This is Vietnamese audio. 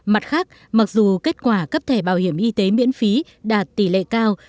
mặt khác mặc dù kết quả cấp thẻ bảo hiểm y tế miễn phí đạt tỷ lệ cao